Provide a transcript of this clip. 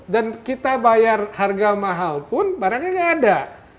dan kita bayar harga mahal pun barangnya tidak ada